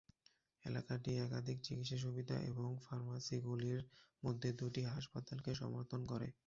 এলাকাটি একাধিক চিকিৎসা সুবিধা এবং ফার্মাসিগুলির মধ্যে দুটি হাসপাতালকে সমর্থন করে।